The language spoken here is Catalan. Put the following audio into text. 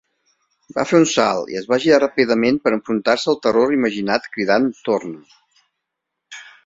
Va fer un salt i es va girar ràpidament per enfrontar-se al terror imaginat cridant "Torna!"